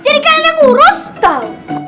jadi kalian yang urus tau